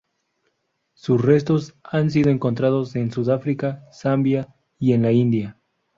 Sus restos han sido encontrados en Sudáfrica, Zambia y en la India.